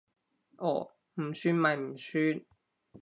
哦，唔算咪唔算